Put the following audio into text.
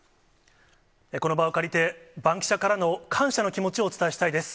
この場を借りて、バンキシャ！からの感謝の気持ちをお伝えしたいです。